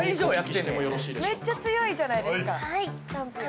めっちゃ強いじゃないですかチャンピオン。